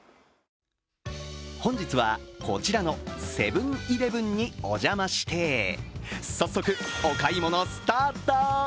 本日はこちらのセブン−イレブンにお邪魔して、早速お買い物スタート。